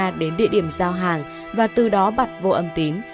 chị thờ đã đến địa điểm giao hàng và từ đó bắt vô âm tín